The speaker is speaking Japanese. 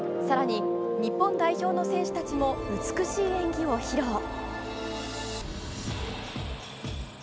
更に、日本代表の選手たちも美しい演技を披露。